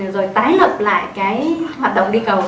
rồi tái lậm lại cái hoạt động đi cầu